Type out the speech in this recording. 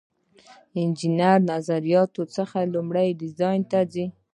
انجینر له نظریاتو څخه لومړني ډیزاین ته ځي.